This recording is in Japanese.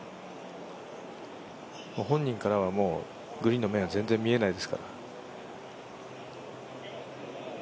本人からはグリーンの面は全然見えないですから。